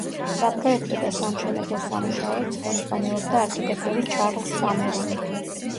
საპროექტო და სამშენებლო სამუშაოებს ხელმძღვანელობდა არქიტექტორი ჩარლზ კამერონი.